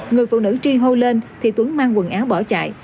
người phụ nữ tri hô lên thì tuấn mang quần áo bỏ chạy